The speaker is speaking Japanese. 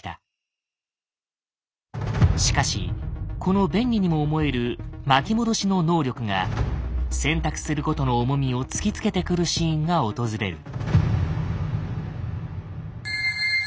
しかしこの便利にも思える巻き戻しの能力が選択することの重みを突きつけてくるシーンが訪れる。